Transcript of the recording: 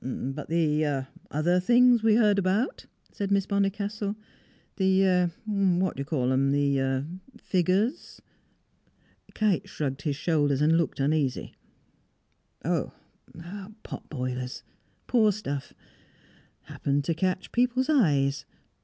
"But the other things we heard about?" said Miss Bonnicastle. "The what d'ye call 'ems, the figures " Kite shrugged his shoulders, and looked uneasy. "Oh, pot boilers! Poor stuff. Happened to catch people's eyes.